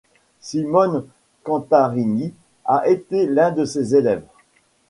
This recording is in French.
Simone Cantarini a été l'un de ses élèves.